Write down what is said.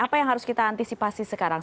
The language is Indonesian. apa yang harus kita antisipasi sekarang